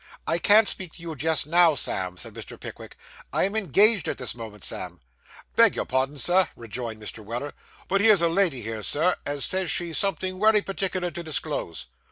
'I can't speak to you just now, Sam,' said Mr. Pickwick. 'I am engaged at this moment, Sam.' 'Beg your pardon, Sir,' rejoined Mr. Weller. 'But here's a lady here, Sir, as says she's somethin' wery partickler to disclose.